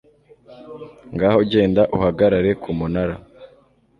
ngaho genda uhagarare ku munara